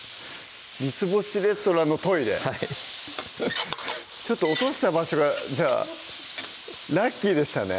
三つ星レストランのトイレはい落とした場所がラッキーでしたね